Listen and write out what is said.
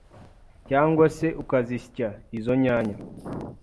cyangwa se ukazisya izo nyanya